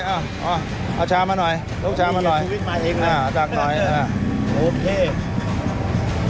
เอาเอาเอาชามมาหน่อยเอาชามมาหน่อยอ่าดักหน่อยอ่าโอเค